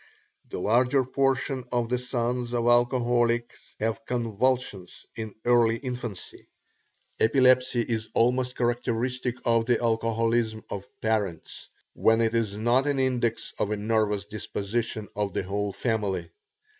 The larger portion of the sons of alcoholics have convulsions in early infancy. Epilepsy is almost characteristic of the alcoholism of parents, when it is not an index of a nervous disposition of the whole family.